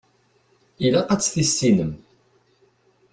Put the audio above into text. Ilaq ad tt-tissinem.